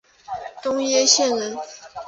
山东掖县人。